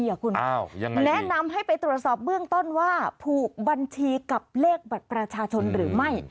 คุณแนะนำให้ไปตรวจสอบเบื้องต้นว่าผูกบัญชีกับเลขบัตรประชาชนหรือไม่